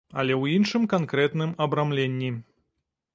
Але ў іншым канкрэтным абрамленні.